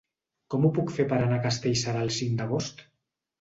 Com ho puc fer per anar a Castellserà el cinc d'agost?